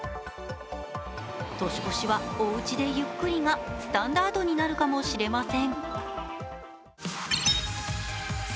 年越しはおうちでゆっくりがスタンダードになるかもしれません。